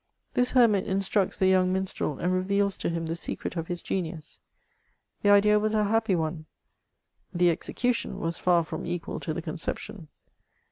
This hermit instructs the young Minstrel, and reveals to him the secret of his genius. The idea was a happy one ; the execution was far from equal to the con ception.